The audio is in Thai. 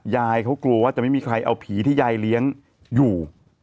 ยายเขากลัวว่าจะไม่มีใครเอาผีที่ยายเลี้ยงอยู่